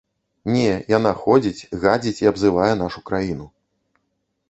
Не, яна ходзіць, гадзіць і абзывае нашу краіну.